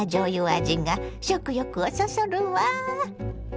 味が食欲をそそるわ。